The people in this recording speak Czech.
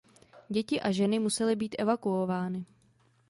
Děti a ženy musely být evakuovány.